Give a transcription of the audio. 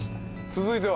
続いては。